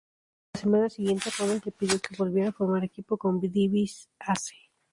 En la semana siguiente, Rhodes le pidió que volviera a formar equipo con DiBiase.